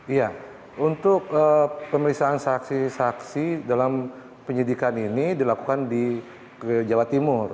iya untuk pemeriksaan saksi saksi dalam penyidikan ini dilakukan di jawa timur